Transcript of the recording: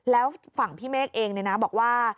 แล้วฝั่งพี่เมฆเองเนี่ยนะบอกว่า